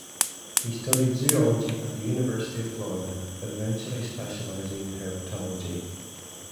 He studied zoology at the University of Florida, eventually specializing in herpetology.